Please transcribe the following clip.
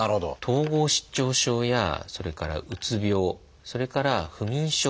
統合失調症やそれからうつ病それから不眠症。